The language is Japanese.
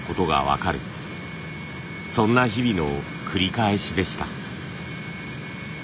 そんな日々の繰り返しでした。